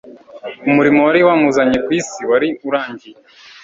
umurimo wari wamuzanye ku isi wari urangiye.